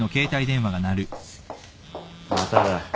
まただ。